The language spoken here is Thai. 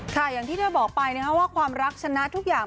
อย่างที่เธอบอกไปนะครับว่าความรักชนะทุกอย่าง